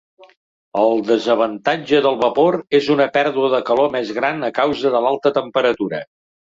El desavantatge del vapor és una pèrdua de calor més gran a causa de l'alta temperatura.